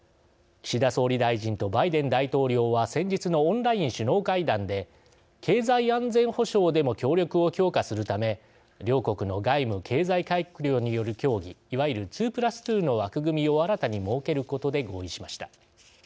岸田総理大臣とバイデン大統領は先日のオンライン首脳会談で経済安全保障でも協力を強化するため両国の外務・経済閣僚による協議いわゆる２プラス２の枠組みを新たに設けることで合意しました。